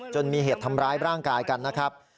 มีเหตุทำร้ายร่างกายกันนะครับ